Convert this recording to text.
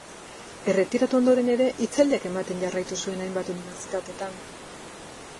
Erretiratu ondoren ere, hitzaldiak ematen jarraitu zuen hainbat unibertsitatetan.